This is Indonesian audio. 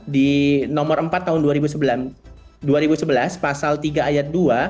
di nomor empat tahun dua ribu sebelas pasal tiga ayat dua